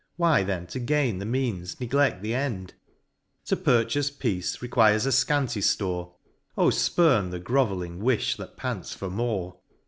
Why then to gain the means negle£t the end ? To purchafe peace requires a fcanty ftore, —— O fpurn the groveling wifli that pants for more